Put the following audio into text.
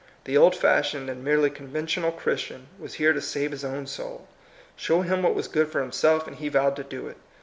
The old fashioned and merely con ventional Christian was here to save his own soul. Show him what was good for himself, and he vowed to do it.